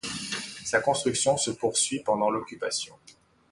Sa construction se poursuit pendant l'Occupation.